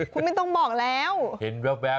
คุณไม่ต้องบอกแล้ว